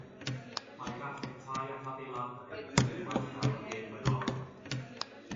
Mae graffeg tai ac adeiladau wedi gwella o'r gêm flaenorol.